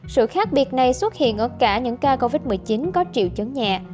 sự khác biệt này xuất hiện ở cả những ca covid một mươi chín có triệu chứng nhẹ